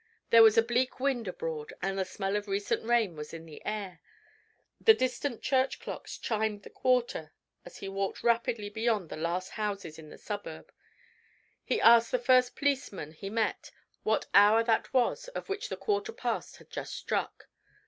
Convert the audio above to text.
There was a bleak wind abroad, and the smell of recent rain was in the air. The distant church clocks chimed the quarter as he walked rapidly beyond the last houses in the suburb. He asked the first policeman he met what hour that was of which the quarter past had just struck.